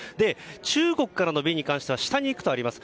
中国からの便に関しては下に行くとあります。